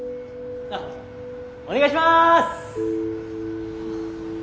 あっお願いします！